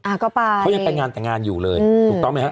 ก็ไปเขายังไปงานแต่งงานอยู่เลยถูกต้องไหมฮะ